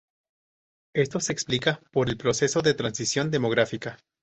Esto se explica por el proceso de transición demográfica.